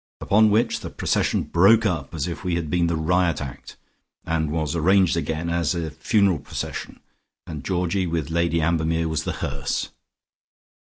Upon which the procession broke up, as if we had been the riot act, and was arranged again, as a funeral procession, and Georgie with Lady Ambermere was the hearse.